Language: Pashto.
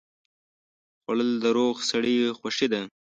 خوړل د روغ سړي خوښي ده